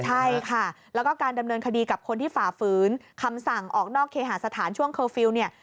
ใช่ค่ะแล้วก็การดำเนินคดีกับคนที่ฝ่าฝืนคำสั่งออกนอกเคหาสถานช่วงเคอร์ฟิลล์เนี่ย